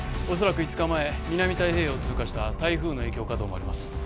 おそらく５日前南太平洋を通過した台風の影響かと思われます